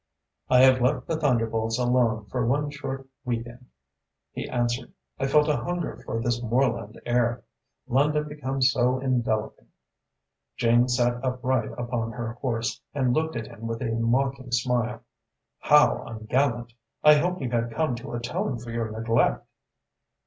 "I have left the thunderbolts alone for one short week end," he answered. "I felt a hunger for this moorland air. London becomes so enveloping." Jane sat upright upon her horse and looked at him with a mocking smile. "How ungallant! I hoped you had come to atone for your neglect."